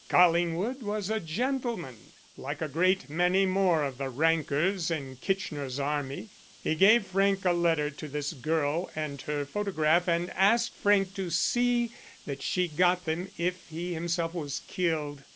Collingwood was a gentleman, like a great many more of the rankers in Kitchener's Army. He gave Frank a letter to this girl, and her photograph, and asked Frank to see that she got them if he himself was killed.